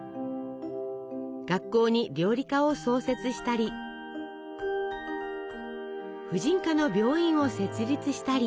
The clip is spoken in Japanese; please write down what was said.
学校に料理科を創設したり婦人科の病院を設立したり。